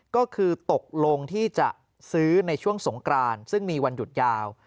ก็คือตกลงที่จะซื้อในช่วงสงกรานซึ่งมีวันหยุดยาว